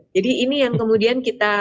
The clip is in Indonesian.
jadi ini yang kemudian kita